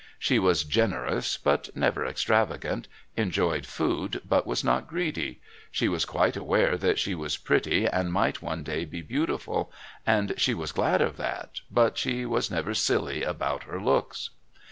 She was generous but never extravagant, enjoyed food but was not greedy. She was quite aware that she was pretty and might one day be beautiful, and she was glad of that, but she was never silly about her looks.